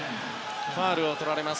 ファウルをとられます。